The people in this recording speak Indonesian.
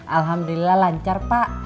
alhamdulillah lancar pak